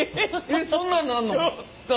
そんなんなんの？